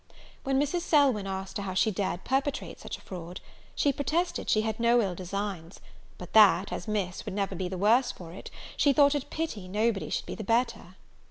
When Mrs. Selwyn asked her how she dared perpetrate such a fraud, she protested she had no ill designs; but that, as Miss would be never the worse for it, she thought it pity nobody should be the better.